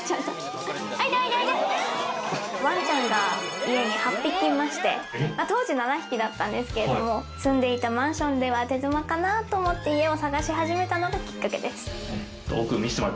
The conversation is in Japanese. ワンちゃんが家に８匹いまして、当時７匹だったんですけれども、住んでいたマンションでは手狭かなと思って家を探し始めたのがきっかけです。